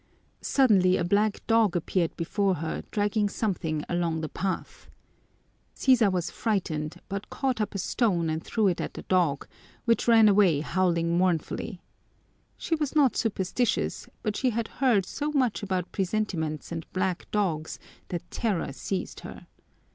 Suddenly a black dog appeared before her dragging something along the path. Sisa was frightened but caught up a stone and threw it at the dog, which ran away howling mournfully. She was not superstitious, but she had heard so much about presentiments and black dogs that terror seized her.